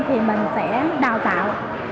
thì mình sẽ đào tạo